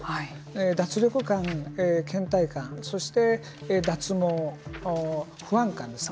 脱力感、けん怠感そして脱毛、不安感ですね